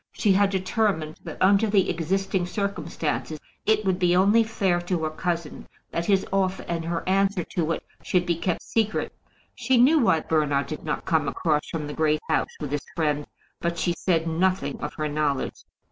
She had determined, that under the existing circumstances, it would be only fair to her cousin that his offer and her answer to it should be kept secret. She knew why Bernard did not come across from the Great House with his friend, but she said nothing of her knowledge.